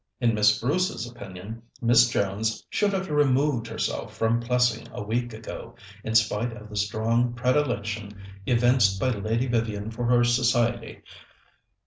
In Miss Bruce's opinion, Miss Jones should have removed herself from Plessing a week ago, in spite of the strong predilection evinced by Lady Vivian for her society.